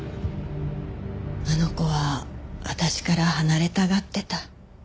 あの子は私から離れたがってた。